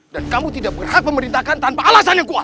dan kamu tidak berhak pemerintahkan tanpa alasan yang kuat